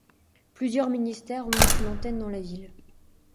Plusieurs ministères ont une antenne dans la ville.